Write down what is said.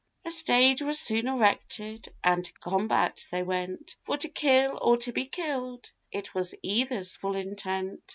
A stage was soon erected, and to combat they went, For to kill, or to be killed, it was either's full intent.